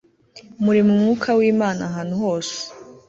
Muri umwuka wImana ahantu hose